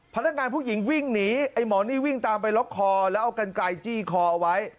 พนักงานผู้หญิงวิ่งหนีไอ้หมอนี่วิ่งตามไปล็อกคอแล้วเอากันไกลจี้คอเอาไว้